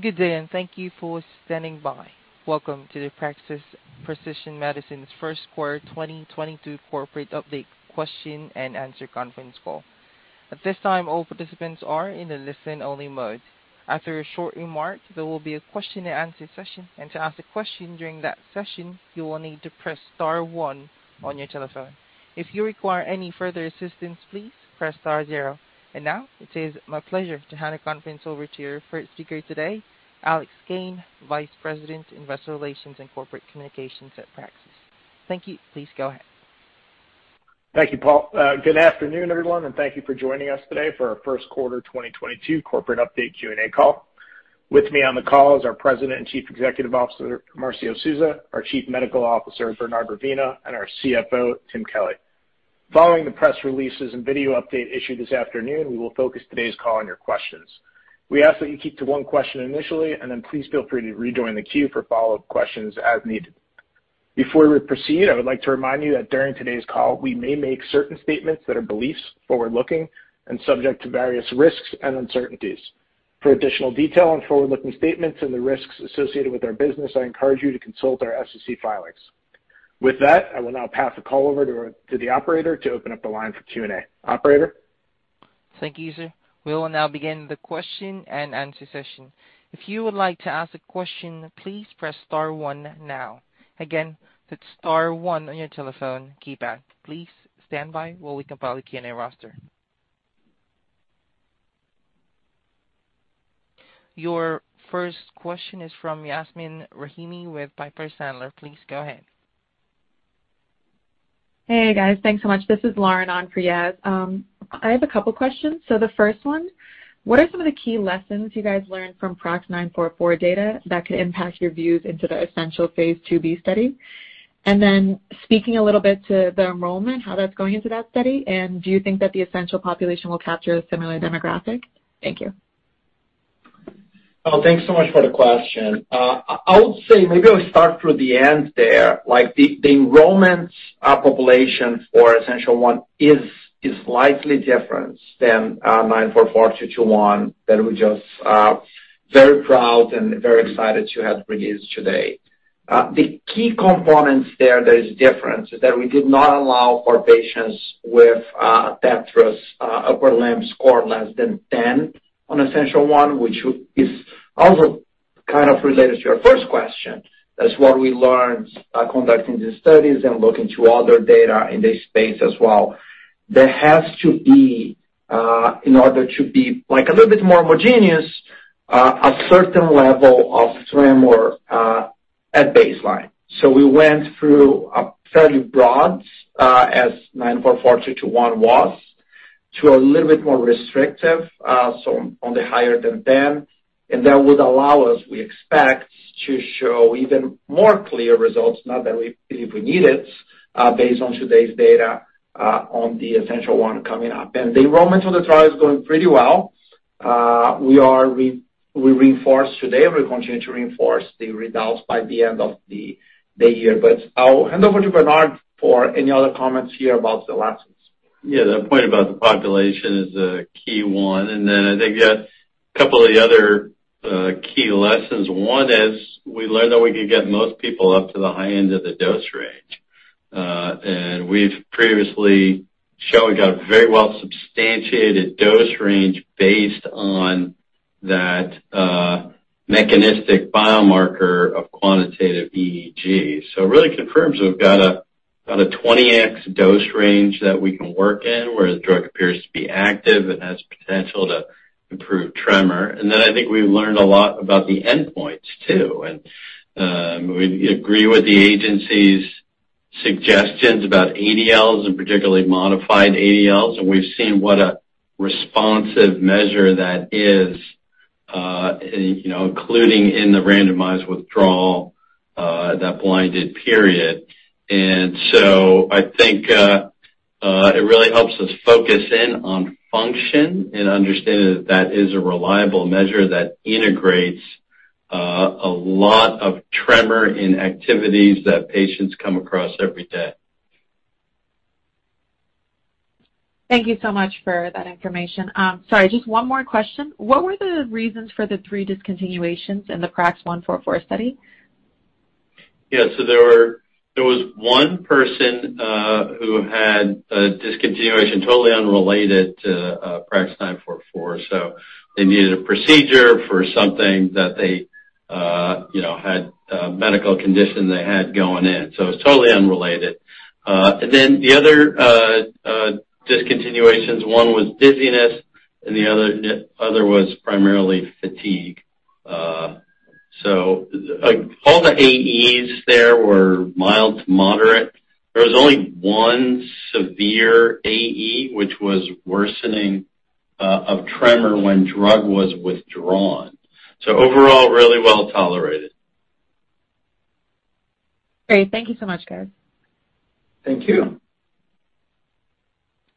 Good day, and thank you for standing by. Welcome to the Praxis Precision Medicines' First Quarter 2022 Corporate Update Question and Answer Conference Call. At this time, all participants are in a listen-only mode. After a short remark, there will be a question and answer session. To ask a question during that session, you will need to press star one on your telephone. If you require any further assistance, please press star zero. Now it is my pleasure to hand the conference over to your first speaker today, Alex Kane, Vice President, Investor Relations and Corporate Communications at Praxis. Thank you. Please go ahead. Thank you, Paul. Good afternoon, everyone, and thank you for joining us today for our First Quarter 2022 Corporate Update Q&A Call. With me on the call is our President and Chief Executive Officer, Marcio Souza, our Chief Medical Officer, Bernard Ravina, and our CFO, Tim Kelly. Following the press releases and video update issued this afternoon, we will focus today's call on your questions. We ask that you keep to one question initially, and then please feel free to rejoin the queue for follow-up questions as needed. Before we proceed, I would like to remind you that during today's call, we may make certain statements that are beliefs, forward-looking and subject to various risks and uncertainties. For additional detail on forward-looking statements and the risks associated with our business, I encourage you to consult our SEC filings. With that, I will now pass the call over to the operator to open up the line for Q&A. Operator? Thank you, sir. We will now begin the question and answer session. If you would like to ask a question, please press star one now. Again, that's star one on your telephone keypad. Please stand by while we compile the Q&A roster. Your first question is from Yasmeen Rahimi with Piper Sandler. Please go ahead. Hey, guys. Thanks so much. This is Lauren on for Yas. I have a couple questions. The first one, what are some of the key lessons you guys learned from PRAX-944 data that could impact your views into the Essential1 Phase IIb study? And then speaking a little bit to the enrollment, how that's going into that study, and do you think that the Essential1 population will capture a similar demographic? Thank you. Oh, thanks so much for the question. I would say maybe I'll start through the end there. Like the enrollment population for Essential1 is slightly different than 944-221 that we're just very proud and very excited to have released today. The key components there that is different is that we did not allow for patients with TETRAS upper limb score less than 10 on Essential1, which is also kind of related to your first question. That's what we learned conducting the studies and looking to other data in this space as well. There has to be in order to be like a little bit more homogeneous a certain level of tremor at baseline. We went through a fairly broad, as PRAX-944-221 was, to a little bit more restrictive, so on the higher end of them. That would allow us, we expect, to show even more clear results, not that if we need it, based on today's data, on the Essential1 coming up. The enrollment on the trial is going pretty well. We reinforced today, we continue to reinforce the readouts by the end of the year. I'll hand over to Bernard for any other comments here about the lessons. Yeah, the point about the population is a key one. I think a couple of the other key lessons. One is we learned that we could get most people up to the high end of the dose range. And we've previously shown we got a very well-substantiated dose range based on that, mechanistic biomarker of quantitative EEG. So it really confirms we've got a 20x dose range that we can work in, where the drug appears to be active and has potential to improve tremor. I think we learned a lot about the endpoints, too. We agree with the agency's suggestions about ADLs and particularly modified ADLs, and we've seen what a responsive measure that is, you know, including in the randomized withdrawal, that blinded period. I think it really helps us focus in on function and understanding that that is a reliable measure that integrates a lot of tremor in activities that patients come across every day. Thank you so much for that information. Sorry, just one more question. What were the reasons for the three discontinuations in the PRAX-944 study? Yeah. There was one person who had a discontinuation totally unrelated to PRAX-944. They needed a procedure for something that they, you know, had a medical condition they had going in. It was totally unrelated. And then the other discontinuations, one was dizziness and the other was primarily fatigue. All the AEs there were mild to moderate. There was only one severe AE, which was worsening of tremor when drug was withdrawn. Overall, really well tolerated. Great. Thank you so much, guys. Thank you.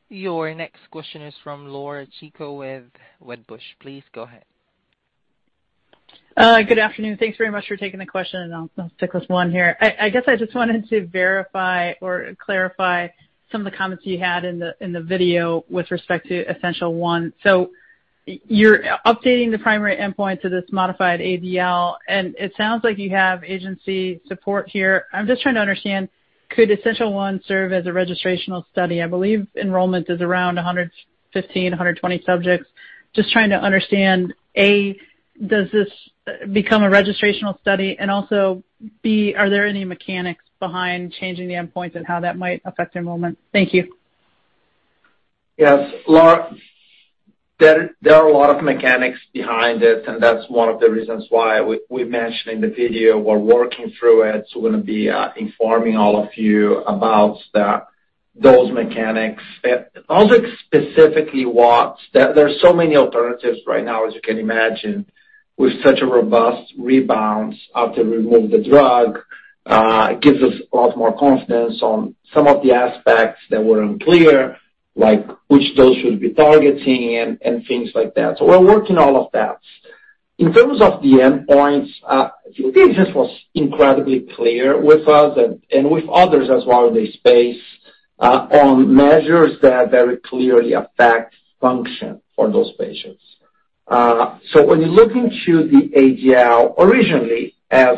Your next question is from Laura Chico with Wedbush. Please go ahead. Good afternoon. Thanks very much for taking the question, and I'll stick with one here. I guess I just wanted to verify or clarify some of the comments you had in the video with respect to Essential1. You're updating the primary endpoint to this modified ADL, and it sounds like you have agency support here. I'm just trying to understand, could Essential1 serve as a registrational study? I believe enrollment is around 115, 120 subjects. Just trying to understand, A, does this become a registrational study? And also, B, are there any mechanics behind changing the endpoints and how that might affect enrollment? Thank you. Yes, Laura Chico, there are a lot of mechanics behind it, and that's one of the reasons why we mentioned in the video we're working through it. We're gonna be informing all of you about those mechanics. Also specifically what. There are so many alternatives right now, as you can imagine, with such a robust rebound after removal of the drug, it gives us a lot more confidence on some of the aspects that were unclear, like which doses should be targeting and things like that. We're working all of that. In terms of the endpoints, I think this was incredibly clear with us and with others as well in the space, on measures that very clearly affect function for those patients. When you look into the ADL originally as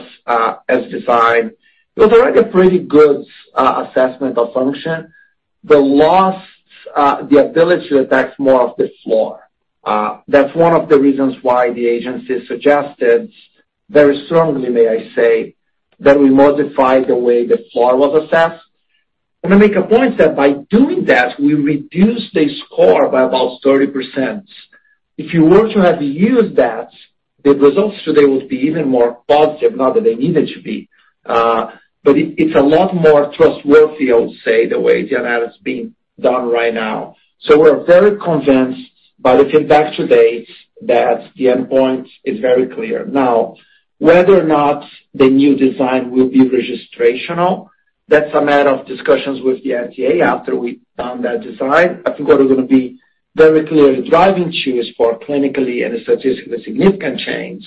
designed, it was already a pretty good assessment of function. The loss, the ability to affect more of the floor, that's one of the reasons why the agency suggested very strongly, may I say, that we modify the way the floor was assessed. I make a point that by doing that, we reduce the score by about 30%. If you were to have used that, the results today would be even more positive, not that they needed to be. It's a lot more trustworthy, I would say, the way the analysis is being done right now. We're very convinced by the feedback to date that the endpoint is very clear. Now, whether or not the new design will be registrational, that's a matter of discussions with the FDA after we've done that design. I think what we're gonna be very clear to drive and choose for clinically and statistically significant change,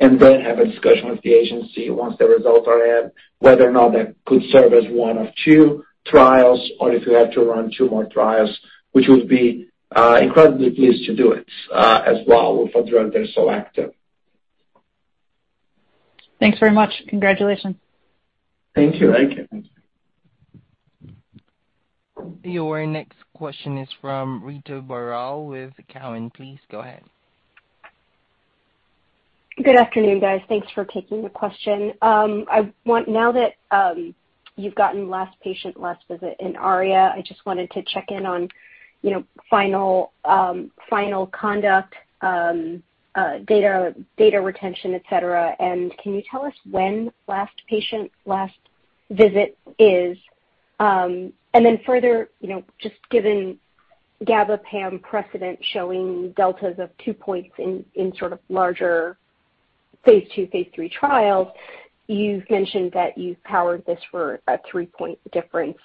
and then have a discussion with the agency once the results are in, whether or not that could serve as one of two trials or if we have to run two more trials, which we'd be, incredibly pleased to do it, as well for a drug that is so active. Thanks very much. Congratulations. Thank you. Thank you. Your next question is from Ritu Baral with Cowen. Please go ahead. Good afternoon, guys. Thanks for taking the question. Now that you've gotten last patient last visit in Aria, I just wanted to check in on, you know, final conduct, data retention, et cetera. Can you tell us when last patient last visit is? And then further, you know, just given gabapentin precedent showing deltas of 2 points in sort of larger Phase II, Phase III trials, you've mentioned that you've powered this for a 3-point difference.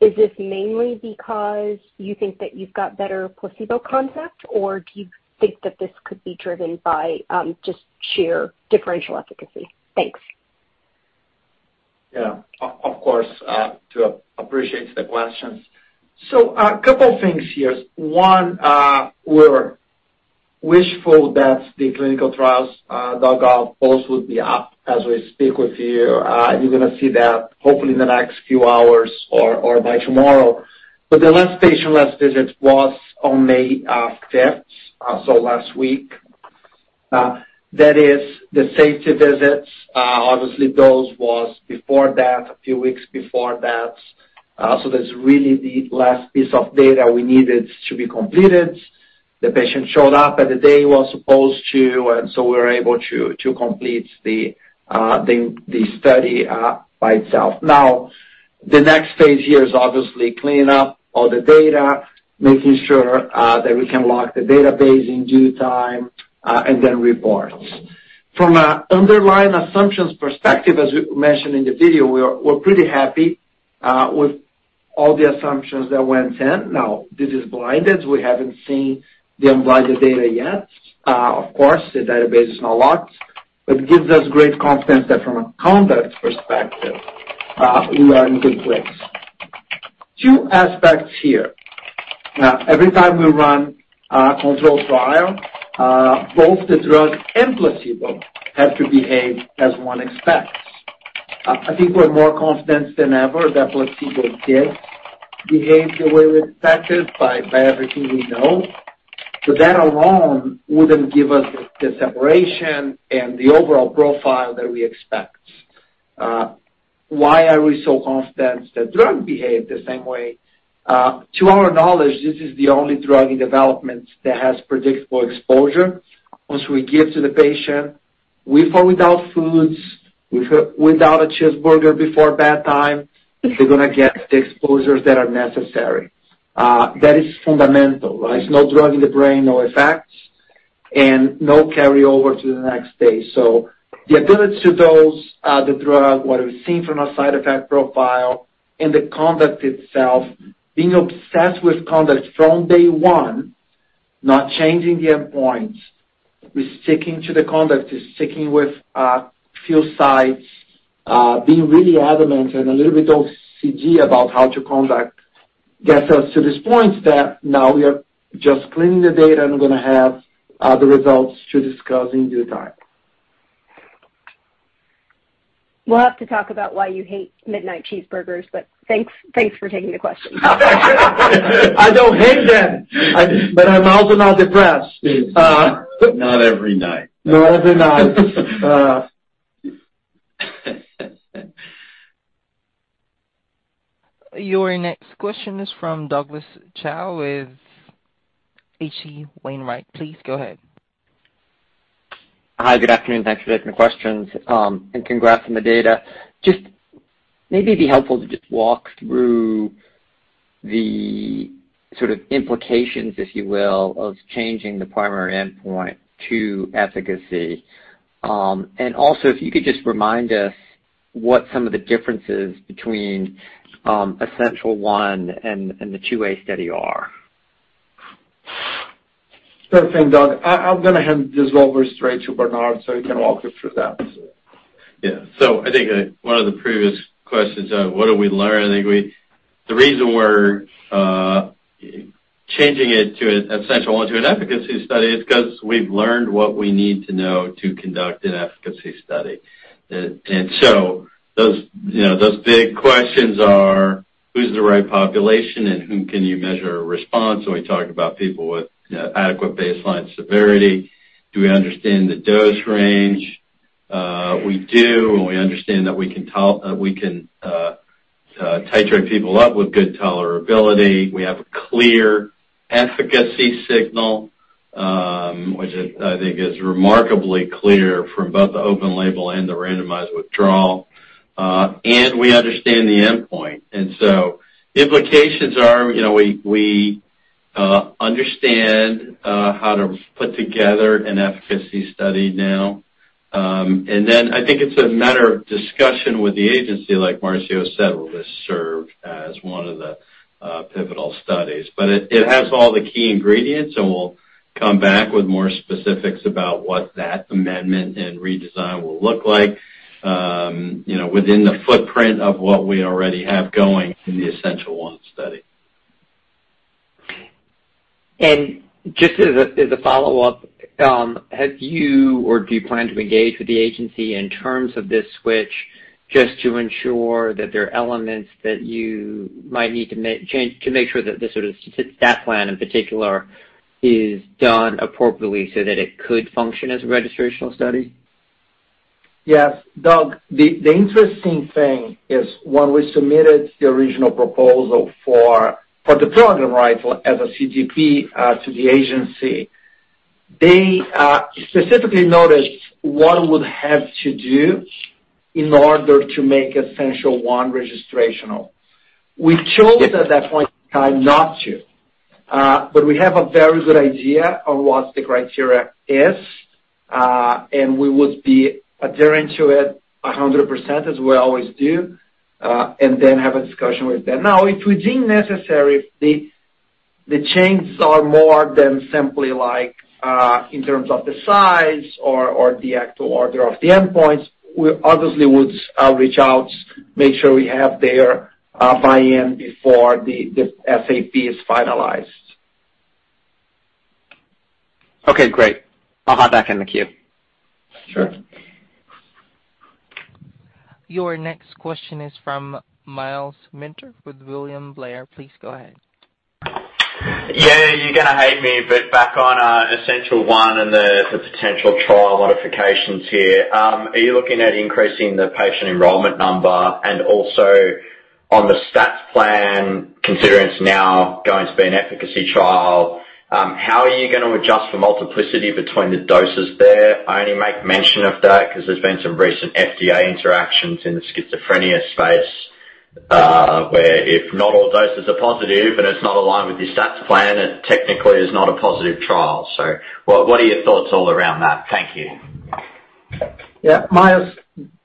Is this mainly because you think that you've got better placebo control, or do you think that this could be driven by just sheer differential efficacy? Thanks. Yeah. Of course, to appreciate the questions. A couple things here. One, we're hopeful that the ClinicalTrials.gov post would be up as we speak with you. You're gonna see that hopefully in the next few hours or by tomorrow. The last patient last visit was on May 5th, so last week. That is the safety visits. Obviously, those was before that, a few weeks before that. That's really the last piece of data we needed to be completed. The patient showed up on the day he was supposed to, and we were able to complete the study by itself. The next Phase here is obviously clean up all the data, making sure that we can lock the database in due time, and then reports. From an underlying assumptions perspective, as we mentioned in the video, we're pretty happy with all the assumptions that went in. Now, this is blinded. We haven't seen the unblinded data yet. Of course, the database is not locked. It gives us great confidence that from a conduct perspective, we are in good place. Two aspects here. Every time we run a controlled trial, both the drug and placebo have to behave as one expects. I think we're more confident than ever that placebo did behave the way we expected by everything we know. That alone wouldn't give us the separation and the overall profile that we expect. Why are we so confident the drug behaved the same way? To our knowledge, this is the only drug in development that has predictable exposure. Once we give to the patient, with or without foods, with or without a cheeseburger before bedtime, they're gonna get the exposures that are necessary. That is fundamental, right? No drug in the brain, no effects, and no carry over to the next day. The ability to dose the drug, what we've seen from a side effect profile, and the conduct itself, being obsessed with conduct from day one, not changing the endpoints. We're sticking to the conduct, just sticking with few sites, being really adamant and a little bit OCD about how to conduct gets us to this point that now we are just cleaning the data, and we're gonna have the results to discuss in due time. We'll have to talk about why you hate midnight cheeseburgers, but thanks for taking the question. I don't hate them. I'm also not depressed. Not every night. Not every night. Your next question is from Douglas Tsao with H.C. Wainwright & Co. Please go ahead. Hi. Good afternoon. Thanks for taking the questions. Congrats on the data. Just maybe it'd be helpful to just walk through the sort of implications, if you will, of changing the primary endpoint to efficacy. Also if you could just remind us what some of the differences between Essential1 and the IIa study are. Sure thing, Doug. I'm gonna hand this over straight to Bernard so he can walk you through that. I think, one of the previous questions, what did we learn? I think the reason we're changing it to an Essential1 into an efficacy study is 'cause we've learned what we need to know to conduct an efficacy study. Those, you know, those big questions are, who's the right population and whom can you measure a response? We talk about people with, you know, adequate baseline severity. Do we understand the dose range? We do, and we understand that we can Titrate people up with good tolerability. We have a clear efficacy signal, which, I think, is remarkably clear from both the open label and the randomized withdrawal. We understand the endpoint. The implications are, you know, we understand how to put together an efficacy study now. I think it's a matter of discussion with the agency, like Marcio said, will this serve as one of the pivotal studies. It has all the key ingredients, and we'll come back with more specifics about what that amendment and redesign will look like, you know, within the footprint of what we already have going in the Essential1 study. Just as a follow-up, have you or do you plan to engage with the agency in terms of this switch just to ensure that there are elements that you might need to change to make sure that the sort of stat plan in particular is done appropriately so that it could function as a registrational study? Yes. Doug, the interesting thing is when we submitted the original proposal for the program as a CDP to the agency, they specifically noticed what we'd have to do in order to make Essential1 registrational. We chose at that point in time not to. We have a very good idea on what the criteria is, and we would be adherent to it 100%, as we always do, and then have a discussion with them. Now, if we deem necessary, the changes are more than simply like in terms of the size or the actual order of the endpoints, we obviously would reach out, make sure we have their buy-in before the SAP is finalized. Okay, great. I'll hop back in the queue. Sure. Your next question is from Myles Minter with William Blair. Please go ahead. Yeah, you're gonna hate me, but back on Essential1 and the potential trial modifications here. Are you looking at increasing the patient enrollment number? Also on the stats plan, considering it's now going to be an efficacy trial, how are you gonna adjust for multiplicity between the doses there? I only make mention of that 'cause there's been some recent FDA interactions in the schizophrenia space, where if not all doses are positive and it's not aligned with your stats plan, it technically is not a positive trial. What are your thoughts all around that? Thank you. Yeah, Myles,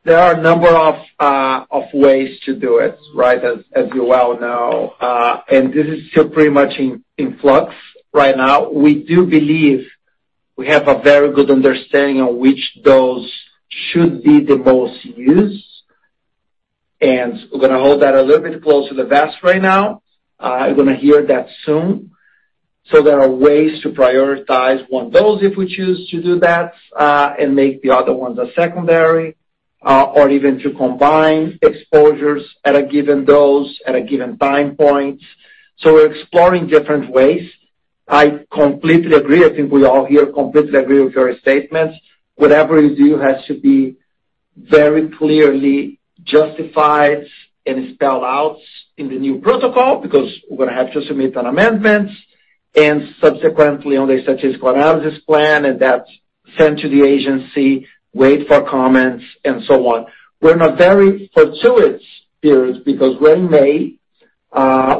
there are a number of ways to do it, right, as you well know. This is still pretty much in flux right now. We do believe we have a very good understanding of which dose should be the most used, and we're gonna hold that a little bit close to the vest right now. You're gonna hear that soon. There are ways to prioritize one dose if we choose to do that, and make the other ones a secondary, or even to combine exposures at a given dose at a given time point. We're exploring different ways. I completely agree. I think we all here completely agree with your statements. Whatever we do has to be very clearly justified and spelled out in the new protocol because we're gonna have to submit the amendments and subsequently on the statistical analysis plan, and that's sent to the agency, wait for comments and so on. We're in a very fortuitous period because we're in May.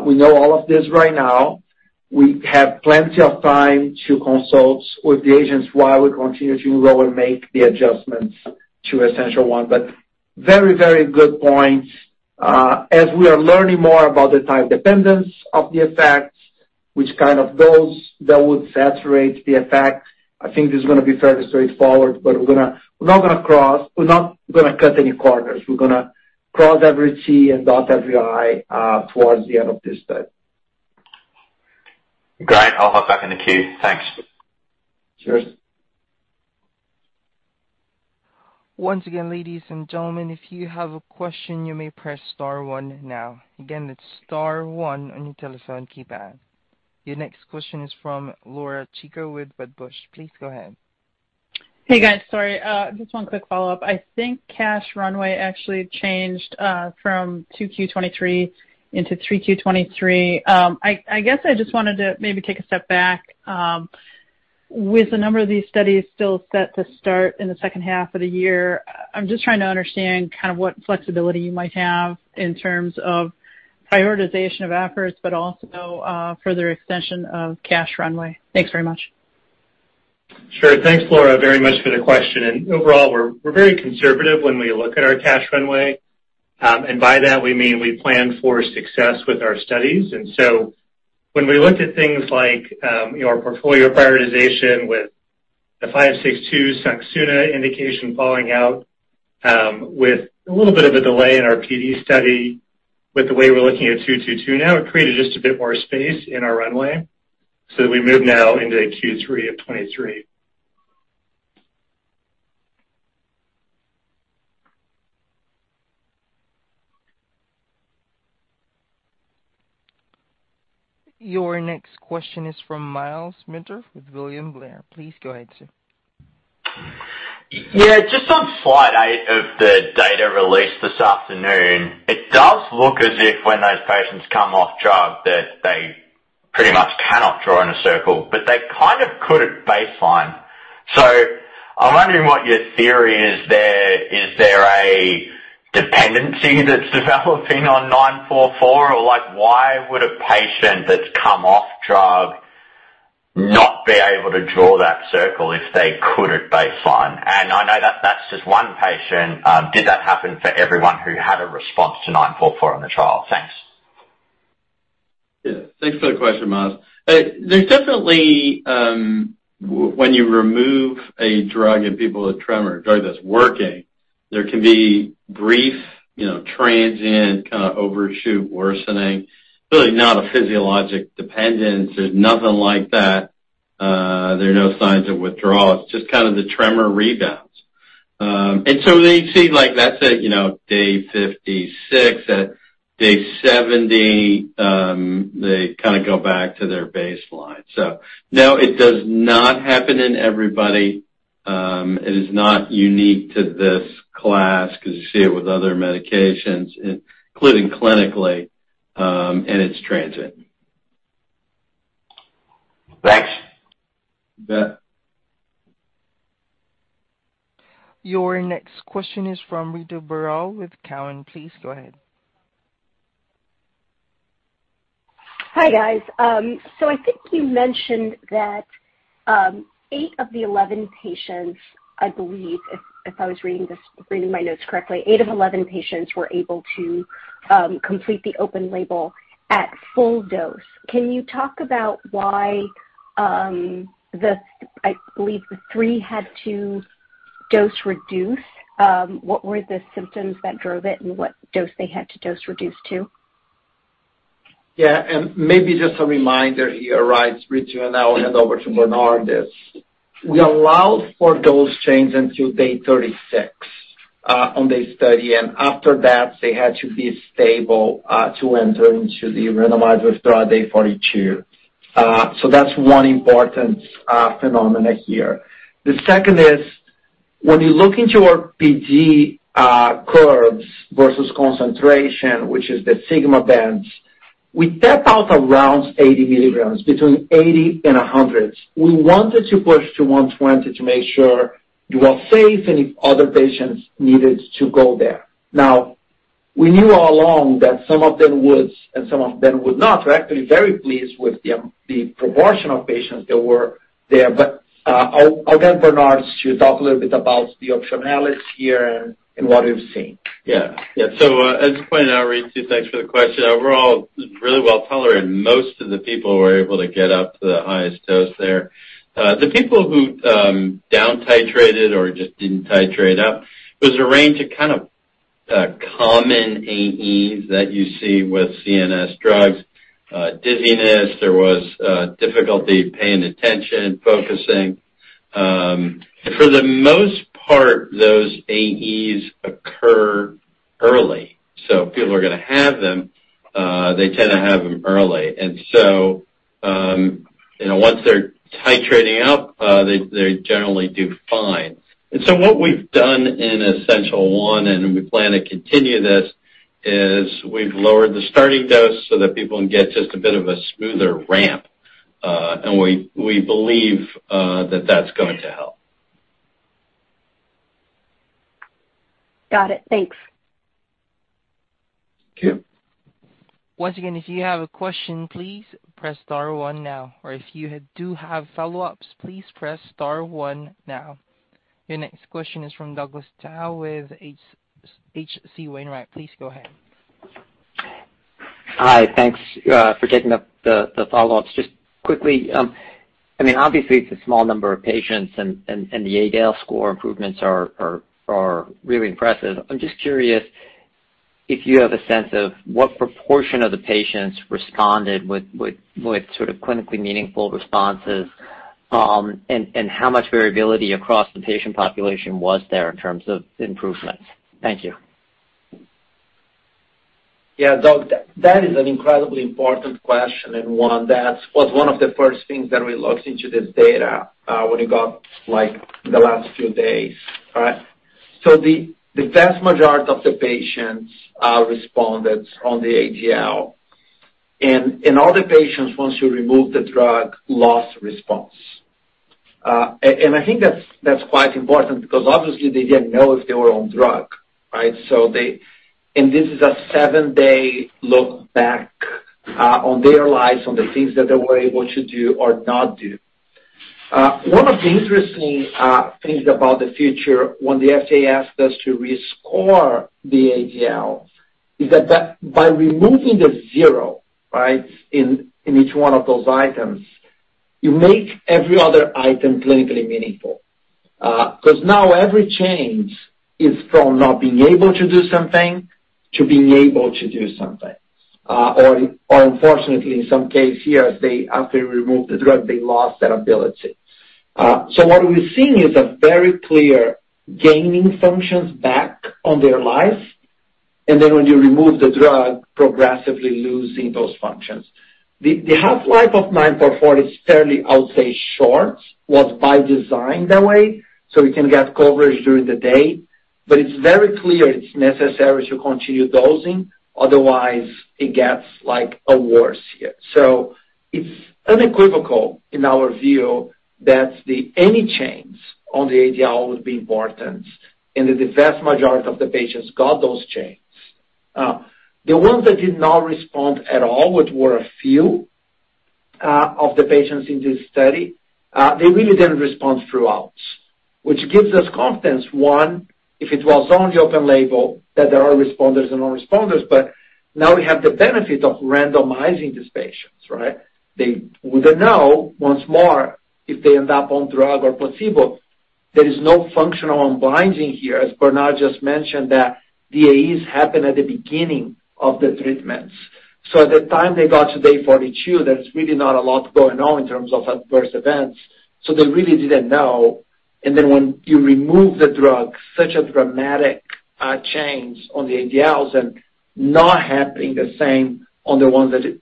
We know all of this right now. We have plenty of time to consult with the agency while we continue to enroll and make the adjustments to Essential1. Very, very good points. As we are learning more about the time dependence of the effects, which kind of goes, that would saturate the effect. I think this is gonna be fairly straightforward, but we're not gonna cut any corners. We're gonna cross every t and dot every i towards the end of this study. Great. I'll hop back in the queue. Thanks. Cheers. Once again, ladies and gentlemen, if you have a question you may press star one now. Again, it's star one on your telephone keypad. Your next question is from Laura Chico with Wedbush. Please go ahead. Hey, guys. Sorry, just one quick follow-up. I think cash runway actually changed from 2Q23 into 3Q23. I guess I just wanted to maybe take a step back with a number of these studies still set to start in the second half of the year. I'm just trying to understand kind of what flexibility you might have in terms of prioritization of efforts, but also further extension of cash runway. Thanks very much. Sure. Thanks, Laura Chico, very much for the question, and overall we're very conservative when we look at our cash runway. By that we mean we plan for success with our studies. When we look at things like, you know, our portfolio prioritization with the 562 SCN2A indication falling out, with a little bit of a delay in our PD study with the way we're looking at 222 now, it created just a bit more space in our runway, so we move now into Q3 of 2023. Your next question is from Myles Minter with William Blair. Please go ahead, sir. Yeah, just on slide eight of the data release this afternoon, it does look as if when those patients come off drug that they pretty much cannot draw in a circle, but they kind of could at baseline. I'm wondering what your theory is there. Is there a dependency that's developing on nine four four or like why would a patient that's come off drug not be able to draw that circle if they could at baseline? I know that's just one patient. Did that happen for everyone who had a response to nine four four on the trial? Thanks. Yeah. Thanks for the question, Myles. There's definitely, when you remove a drug in people with tremor, a drug that's working, there can be brief, you know, transient, kinda overshoot worsening. Really not a physiologic dependence. There's nothing like that. There are no signs of withdrawal. It's just kind of the tremor rebounds. They see like that's a, you know, day 56. At day 70, they kinda go back to their baseline. No, it does not happen in everybody. It is not unique to this class 'cause you see it with other medications, including clinically, and it's transient. Thanks. You bet. Your next question is from Ritu Baral with Cowen. Please go ahead. Hi, guys. I think you mentioned that eight of the 11 patients, I believe, if I was reading my notes correctly, eight of 11 patients were able to complete the open label at full dose. Can you talk about why the three had to dose reduce? What were the symptoms that drove it and what dose they had to dose reduce to? Yeah, maybe just a reminder here, right, Ritu, and I'll hand over to Bernard this. We allow for dose change until day 36 on this study, and after that, they had to be stable to enter into the randomized withdrawal day 42. That's one important phenomenon here. The second is when you look into our PD curves versus concentration, which is the sigma bands, we tap out around 80 milligrams, between 80 and 100. We wanted to push to 120 to make sure you are safe and if other patients needed to go there. Now, we knew all along that some of them would and some of them would not. We're actually very pleased with the proportion of patients that were there, but I'll get Bernard to talk a little bit about the optionality here and what we've seen. Yeah. As you pointed out, Ritu, thanks for the question. Overall, really well-tolerated. Most of the people were able to get up to the highest dose there. The people who down Titrated or just didn't Titrate up, it was a range of kind of common AEs that you see with CNS drugs, dizziness, difficulty paying attention, focusing. For the most part, those AEs occur early, so if people are gonna have them, they tend to have them early. You know, once they're titrating up, they generally do fine. What we've done in Essential1, and we plan to continue this, is we've lowered the starting dose so that people can get just a bit of a smoother ramp. We believe that that's going to help. Got it. Thanks. Kim? Once again, if you have a question, please press star one now, or if you do have follow-ups, please press star one now. Your next question is from Douglas Tsao with H.C. Wainwright & Co. Please go ahead. Hi. Thanks for taking up the follow-ups. Just quickly, I mean, obviously it's a small number of patients and the ADL score improvements are really impressive. I'm just curious if you have a sense of what proportion of the patients responded with sort of clinically meaningful responses, and how much variability across the patient population was there in terms of improvement? Thank you. Yeah. Doug, that is an incredibly important question and one that was one of the first things that we looked into this data, when we got like the last few days, right? The vast majority of the patients responded on the ADL. All the patients, once you remove the drug, lost response. I think that's quite important because obviously they didn't know if they were on drug, right? This is a seven-day look back on their lives, on the things that they were able to do or not do. One of the interesting things about the future when the FDA asked us to rescore the ADL is that by removing the zero, right, in each one of those items, you make every other item clinically meaningful. 'Cause now every change is from not being able to do something to being able to do something, or unfortunately in some case here, then after they removed the drug, they lost that ability. What we're seeing is a very clear gain in functions back in their life and then when you remove the drug progressively losing those functions. The half-life of 944 is fairly, I would say, short, was by design that way, so we can get coverage during the day, but it's very clear it's necessary to continue dosing, otherwise it worsens, yeah. It's unequivocal in our view that any change on the ADL would be important, and that the vast majority of the patients got those changes. The ones that did not respond at all, which were a few, of the patients in this study, they really didn't respond throughout, which gives us confidence, one, if it was on the open label that there are responders and non-responders. Now we have the benefit of randomizing these patients, right? They wouldn't know once more if they end up on drug or placebo. There is no functional unblinding here, as Bernard just mentioned, that the AEs happen at the beginning of the treatments. At the time they got to day 42, there's really not a lot going on in terms of adverse events, so they really didn't know. When you remove the drug, such a dramatic change on the ADLs and not happening the same on the ones that it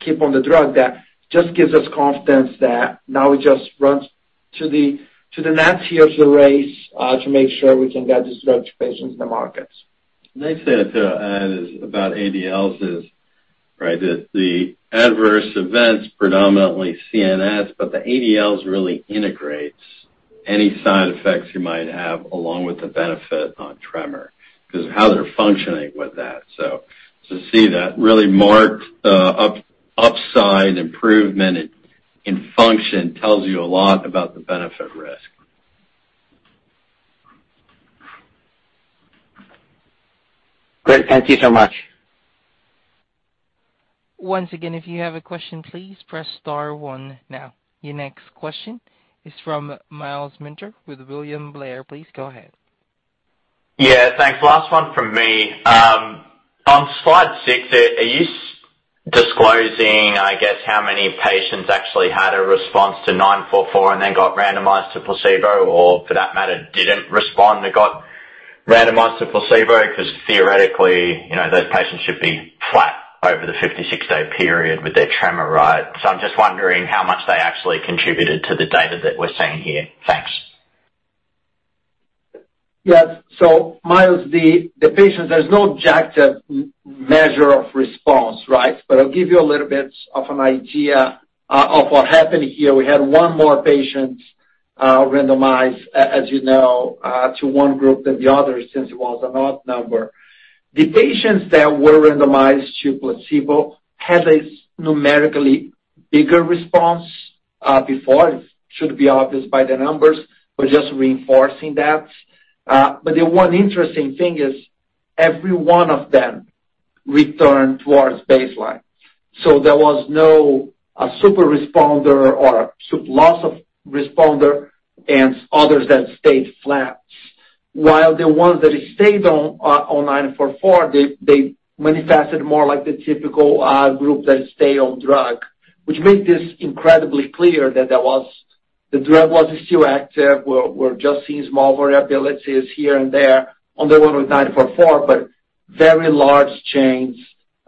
keep on the drug, that just gives us confidence that now we just run to the next year of the race to make sure we can get this drug to patients in the markets. To add is about ADLs, right, that the adverse events predominantly CNS, but the ADLs really integrates any side effects you might have along with the benefit on tremor 'cause how they're functioning with that. See that really marked upside improvement in function tells you a lot about the benefit risk. Great. Thank you so much. Once again, if you have a question, please press star one now. Your next question is from Myles Minter with William Blair. Please go ahead. Yeah. Thanks. Last one from me. On slide 6, are you disclosing, I guess, how many patients actually had a response to 944 and then got randomized to placebo or for that matter, didn't respond, they got randomized to placebo? 'Cause theoretically, you know, those patients should be flat over the 56-day period with their tremor, right? I'm just wondering how much they actually contributed to the data that we're seeing here. Thanks. Yes. Myles, the patients, there's no objective measure of response, right? I'll give you a little bit of an idea of what happened here. We had one more patient randomized, as you know, to one group than the other since it was an odd number. The patients that were randomized to placebo had a numerically bigger response before. It should be obvious by the numbers. We're just reinforcing that. The one interesting thing is every one of them returned towards baseline. There was no super responder or super loss of responder and others that stayed flat. While the ones that stayed on nine four four, they manifested more like the typical group that stay on drug, which made this incredibly clear that the drug was still active. We're just seeing small variabilities here and there on the one with 944, but very large change,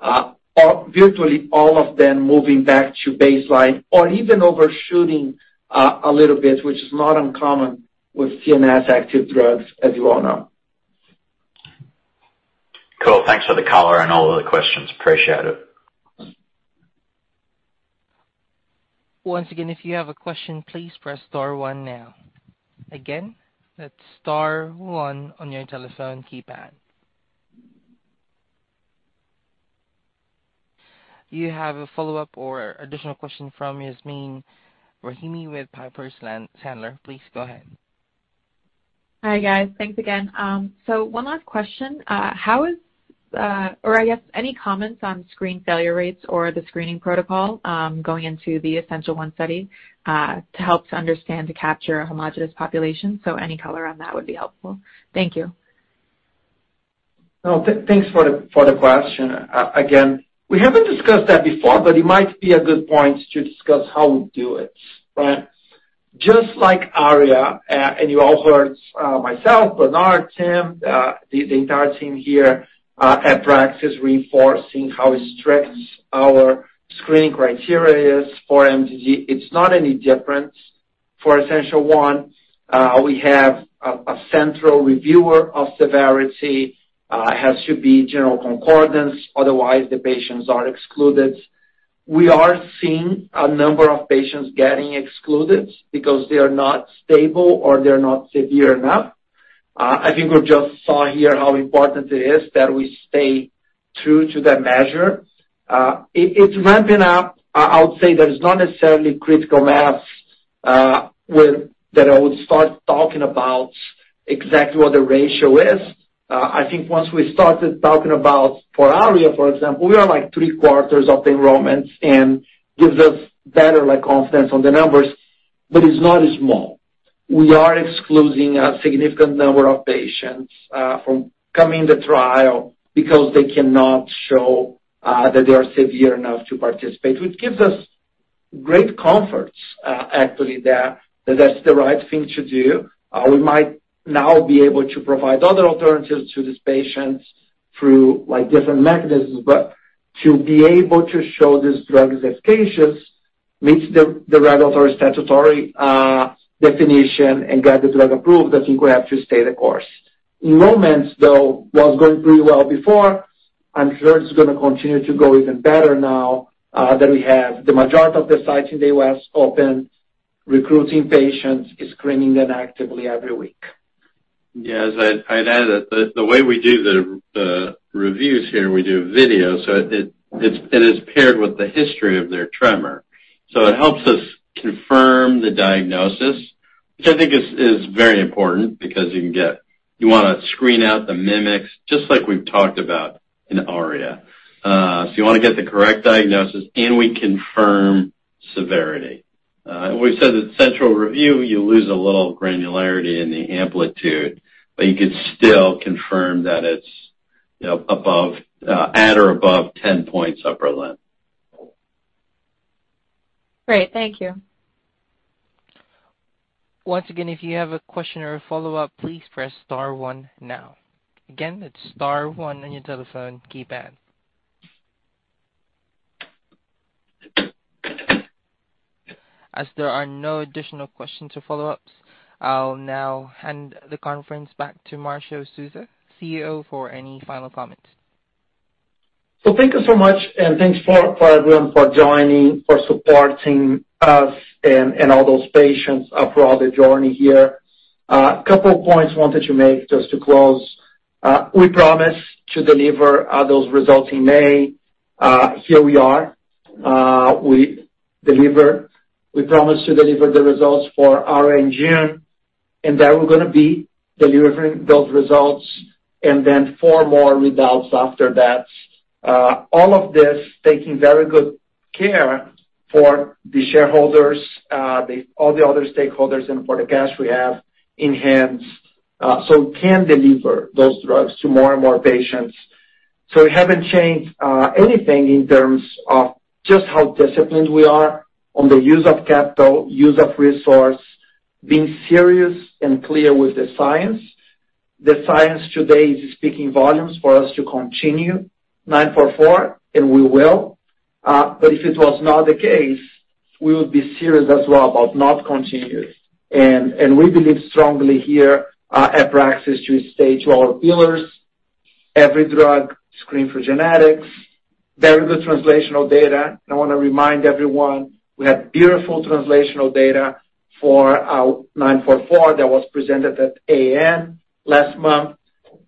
or virtually all of them moving back to baseline or even overshooting, a little bit, which is not uncommon with CNS active drugs, as you all know. Cool. Thanks for the color and all of the questions. Appreciate it. Once again, if you have a question, please press star one now. Again, that's star one on your telephone keypad. You have a follow-up or additional question from Yasmeen Rahimi with Piper Sandler. Please go ahead. Hi, guys. Thanks again. One last question. How is, or I guess any comments on screen failure rates or the screening protocol, going into the Essential1 study, to help to understand to capture a homogeneous population? Any color on that would be helpful. Thank you. No. Thanks for the question. Again, we haven't discussed that before, but it might be a good point to discuss how we do it, right? Just like Aria, and you all heard myself, Bernard, Tim, the entire team here at Praxis reinforcing how strict our screening criteria is for MDD. It's not any different for Essential1. We have a central reviewer of severity. It has to be general concordance, otherwise the patients are excluded. We are seeing a number of patients getting excluded because they are not stable or they're not severe enough. I think we just saw here how important it is that we stay true to that measure. It's ramping up. I would say there's not necessarily critical mass with that I would start talking about exactly what the ratio is. I think once we started talking about for Aria, for example, we are like three quarters of the enrollments and gives us better, like, confidence on the numbers, but it's not small. We are excluding a significant number of patients from coming to trial because they cannot show that they are severe enough to participate, which gives us great comfort, actually, that that's the right thing to do. We might now be able to provide other alternatives to these patients through, like, different mechanisms. But to be able to show this drug is efficacious, meets the regulatory statutory definition and get the drug approved, I think we have to stay the course. Enrollments, though, was going pretty well before. I'm sure it's gonna continue to go even better now, that we have the majority of the sites in the U.S. open, recruiting patients, screening them actively every week. Yeah. As I'd add that the way we do the reviews here, we do video. It is paired with the history of their tremor. It helps us confirm the diagnosis, which I think is very important because you can get. You wanna screen out the mimics, just like we've talked about in Aria. You wanna get the correct diagnosis, and we confirm severity. We said that central review, you lose a little granularity in the amplitude, but you could still confirm that it's you know above at or above 10 points upper limb. Great. Thank you. Once again, if you have a question or a follow-up, please press star one now. Again, it's star one on your telephone keypad. As there are no additional questions or follow-ups, I'll now hand the conference back to Marcio Souza, CEO, for any final comments. Thank you so much, and thanks for everyone for joining, for supporting us and all those patients throughout their journey here. A couple of points I wanted to make just to close. We promised to deliver those results in May. Here we are. We delivered. We promised to deliver the results for Aria in June, and there we're gonna be delivering those results and then four more results after that. All of this taking very good care for the shareholders, all the other stakeholders and for the cash we have in hand, so we can deliver those drugs to more and more patients. We haven't changed anything in terms of just how disciplined we are on the use of capital, use of resource, being serious and clear with the science. The science today is speaking volumes for us to continue nine four four, and we will. If it was not the case, we would be serious as well about not continuing. We believe strongly here at Praxis to stay to our pillars. Every drug, screen for genetics, very good translational data. I wanna remind everyone, we have beautiful translational data for our nine four four that was presented at AAN last month.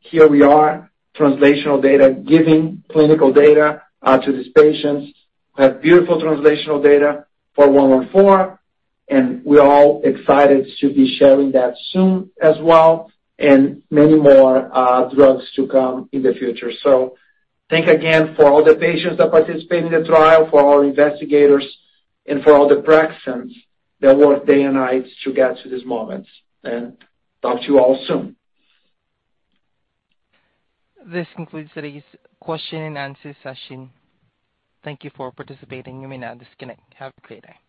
Here we are, translational data, giving clinical data to these patients. We have beautiful translational data for one one four, and we're all excited to be sharing that soon as well, and many more drugs to come in the future. Thank again for all the patients that participated in the trial, for all investigators, and for all the Praxians that work day and night to get to this moment. Talk to you all soon. This concludes today's question and answer session. Thank you for participating. You may now disconnect. Have a great day.